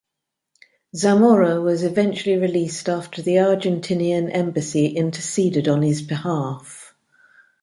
Zamora was eventually released after the Argentinian Embassy interceded on his behalf.